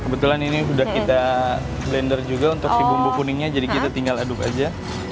kebetulan ini sudah kita blender juga untuk si bumbu kuningnya jadi kita tinggal aduk aja